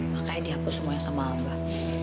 makanya dihapus semuanya sama mbak